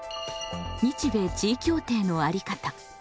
日米地位協定のあり方